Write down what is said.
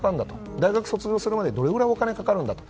大学卒業するまでにどのくらいかかるんだと。